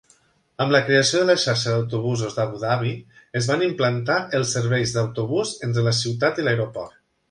Amb la creació de la xarxa d'autobusos d'Abu Dhabi, es van implantar els serveis d'autobús entre la ciutat i l'aeroport.